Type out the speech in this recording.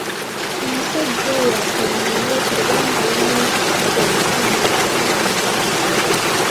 Omusajja oyo akolimirwe kubanga yanzisisa omukono ku kiraamo.